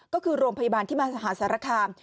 ก็คือโรงพยาบาลที่มาสหรัฐศาสตร์ราคา